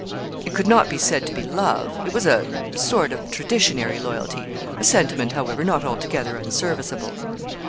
It could not be said to be love; it was a sort of traditionary loyalty; a sentiment, however, not altogether unserviceable.